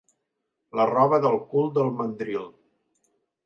La roba del cul del mandril.